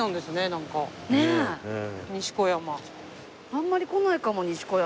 あんまり来ないかも西小山。